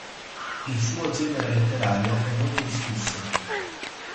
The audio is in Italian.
Il suo genere letterario è molto discusso.